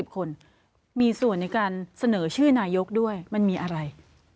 คนมีส่วนในการเสนอชื่อนายกด้วยมันมีอะไร